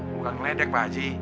bukan ngeledek pak haji